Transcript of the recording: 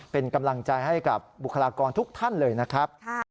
เป็นกำลังใจให้กับบุคลากรทุกท่านเลยนะครับ